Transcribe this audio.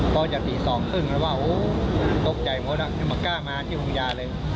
พอจะตีสองครึ่งแล้วว่าโอ้โหตกใจหมดอ่ะยังมาก้ามาที่ภูมิยาเลย